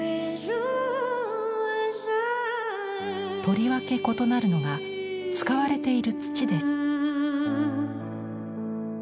とりわけ異なるのが使われている土です。